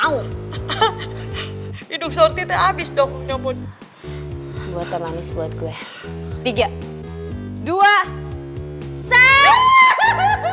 hidung sore abis dong nyamun buatan manis buat gue tiga dua satu